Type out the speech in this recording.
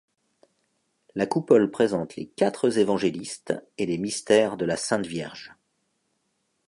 La coupole présente les quatre évangélistes et les mystères de la Sainte-Vierge.